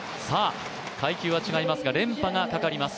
階級は違いますが、連覇がかかります。